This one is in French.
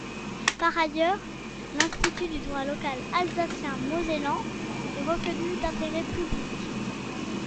Par ailleurs, l’Institut du droit local alsacien-mosellan est reconnu d’intérêt public.